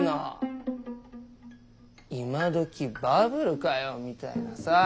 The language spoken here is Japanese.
今どきバブルかよみたいなさぁ。